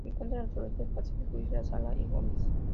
Se encuentra al sureste del Pacífico: isla Sala y Gómez.